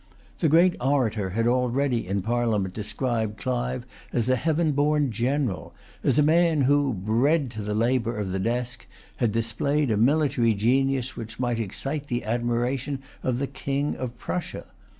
The great orator had already in Parliament described Clive as a heaven born general, as a man who, bred to the labour of the desk, had displayed a military genius which might excite the admiration of the King of Prussia.